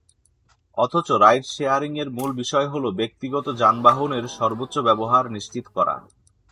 অথচ রাইড শেয়ারিংয়ের মূল বিষয় হলো ব্যক্তিগত যানবাহনের সর্বোচ্চ ব্যবহার নিশ্চিত করা।